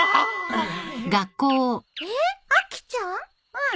うん。